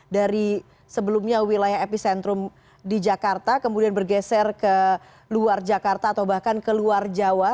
dari sebelumnya wilayah epicentrum di jakarta kemudian bergeser ke luar jakarta atau bahkan ke luar jawa